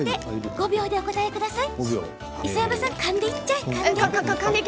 ５秒でお答えください。